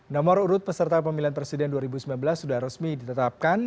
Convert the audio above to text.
nomor urut peserta pemilihan presiden dua ribu sembilan belas sudah resmi ditetapkan